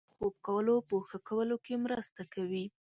• شیدې د خوب کولو په ښه کولو کې مرسته کوي.